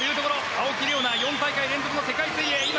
青木玲緒樹４大会連続の世界水泳福岡。